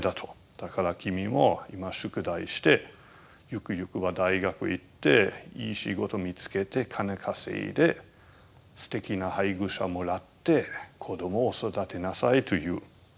「だから君も今宿題してゆくゆくは大学行っていい仕事見つけて金稼いですてきな配偶者もらって子供を育てなさい」と言う。